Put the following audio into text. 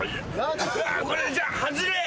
これじゃあ外れ！